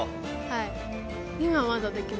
はい。